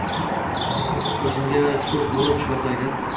Koʼksimga choʼgʼ boʼlib tushmasa agar